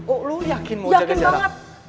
oh lu yakin mau jaga jarak